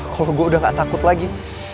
kalau gue udah gak takut lagi